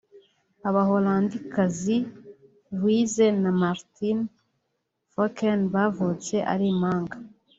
Abaholandikazi Louise na Martine Fokken bavutse ari impanga